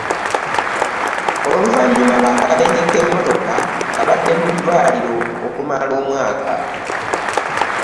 Oluvanyuma lwa kabenje ke mmotoka, abadde muddwaliro okumala omwaka.